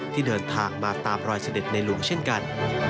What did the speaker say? ที่เดินทางมาตามรอยเสด็จในหลวงเช่นกัน